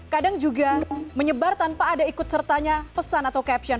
kadang juga menyebar tanpa ada ikut sertanya pesan atau caption